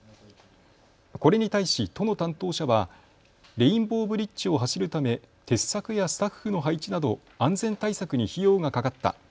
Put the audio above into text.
これに対し都の担当者はレインボーブリッジを走るため鉄柵やスタッフの配置など安全対策に費用がかかった。